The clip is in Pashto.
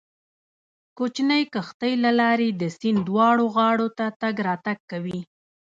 کوچنۍ کښتۍ له لارې د سیند دواړو غاړو ته تګ راتګ کوي